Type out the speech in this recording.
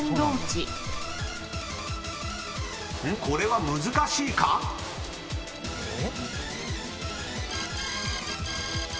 ［これは難しいか⁉］えっ？